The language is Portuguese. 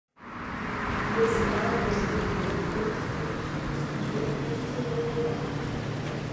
O escravo é um servidor que não discute e subjuga tudo sem murmurar.